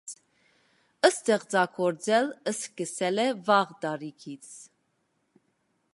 Ստեղծագործել սկսել է վաղ տարիքից։